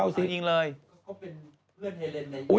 ก็เป็นเพื่อนเฮฬนในวิตาล